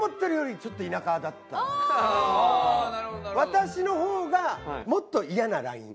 私の方がもっと嫌なライン。